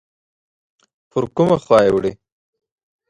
پر کومه خوا یې وړي؟